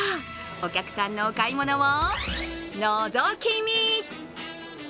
お客さんのお買い物をのぞき見！